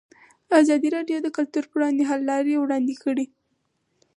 ازادي راډیو د کلتور پر وړاندې د حل لارې وړاندې کړي.